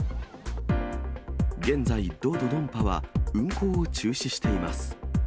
現在、ド・ドドンパは運行を中止しています。